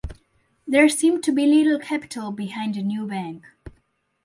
There seemed to be little capital behind the new bank.